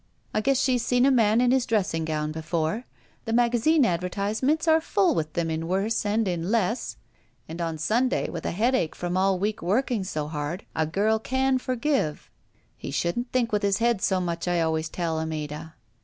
I guess she's seen a man in his dressing gown before; the magazine advertisements are full with them in worse and in less . And on Stmday with a headache from all week working so hard, a girl can forgive. He shouldn't think with his head so much, I always tell him, Ada."